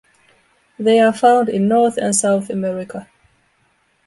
They are found in North and South America.